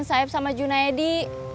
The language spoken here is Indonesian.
saya sama saeb sama junaedi